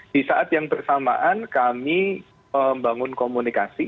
di saat yang bersamaan kami membangun komunikasi